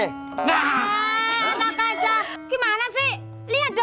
eh anak aja